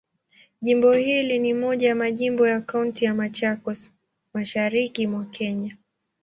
Jimbo hili ni moja ya majimbo ya Kaunti ya Machakos, Mashariki mwa Kenya.